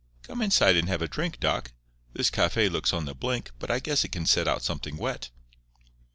Come inside and have a drink, Doc. This café looks on the blink, but I guess it can set out something wet."